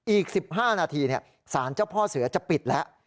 อีก๑๕นาทีสารเจ้าพ่อเสือจะปิดแล้ว